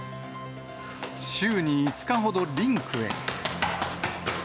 週に５日ほどリンクへ。